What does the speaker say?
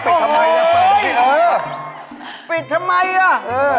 ก็ปิดทำไมล่ะโอ้โฮ